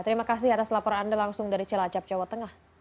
terima kasih atas laporan anda langsung dari cilacap jawa tengah